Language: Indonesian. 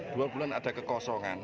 dua bulan ada kekosongan